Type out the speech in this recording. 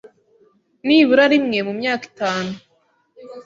nibura rimwe mu myaka itanu